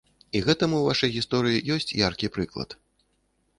І гэтаму ў вашай гісторыі ёсць яркі прыклад.